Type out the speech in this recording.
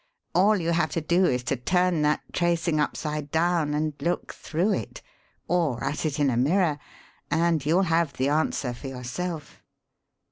All you have to do is to turn that tracing upside down and look through it or at it in a mirror and you'll have the answer for yourself.